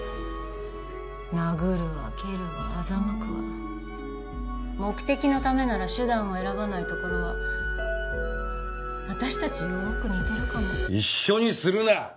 殴るわ蹴るわ欺くわ目的のためなら手段を選ばないところは私たちよく似てるかも一緒にするな！